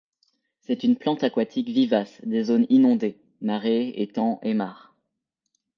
C'est une plante aquatique vivace des zones inondées, marais, étangs et mares.